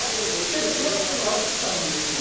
ステップバックがあったんですよね。